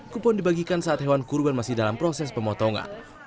kupon dibagikan saat hewan kurban masih dalam proses pemotongan